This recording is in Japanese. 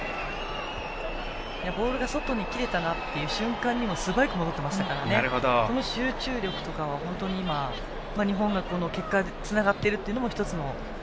ボールが外に切れたなという瞬間にも素早く戻っていましたからあの集中力は本当に、日本が結果をつなげているというところが１つの。